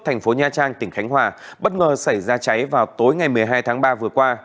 thành phố nha trang tỉnh khánh hòa bất ngờ xảy ra cháy vào tối ngày một mươi hai tháng ba vừa qua